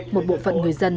một bộ phận người dân